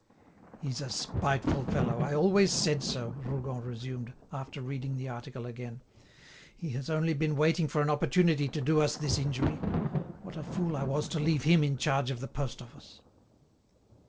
"He's a spiteful fellow, I always said so," Rougon resumed, after reading the article again. "He has only been waiting for an opportunity to do us this injury. What a fool I was to leave him in charge of the post office!"